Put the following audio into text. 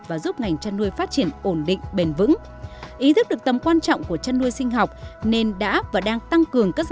và giúp ngành chăn nuôi phát triển ổn định bền vững